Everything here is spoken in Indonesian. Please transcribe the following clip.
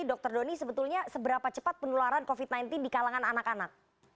dokter doni sebetulnya seberapa cepat penularan covid sembilan belas di kalangan anak anak